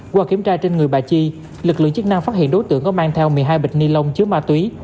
qua kiểm tra trên người bà chi lực lượng chức năng phát hiện đối tượng có mang theo một mươi hai bịch ni lông chứa ma túy